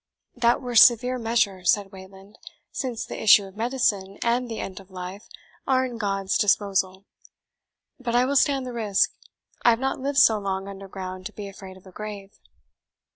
"That were severe measure," said Wayland, "since the issue of medicine, and the end of life, are in God's disposal. But I will stand the risk. I have not lived so long under ground to be afraid of a grave."